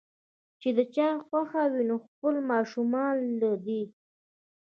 چې د چا خوښه وي نو خپلو ماشومانو له دې